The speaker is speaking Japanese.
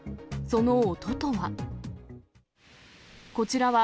その音とは。